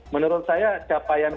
menurut saya capaian